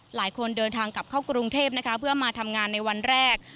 หลายคนเดินทางกลับเข้ากรุงเทพนะคะเพื่อมาทำงานในวันแรก